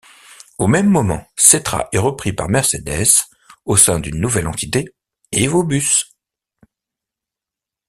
Au même moment, Setra est repris par Mercedes au sein d'une nouvelle entité, EvoBus.